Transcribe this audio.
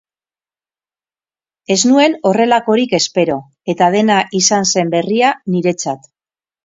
Ez nuen horrelakorik espero, eta dena izan zen berria niretzat.